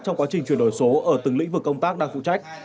trong quá trình chuyển đổi số ở từng lĩnh vực công tác đang phụ trách